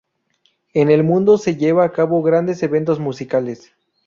En el mundo se llevan a cabo grandes eventos musicales.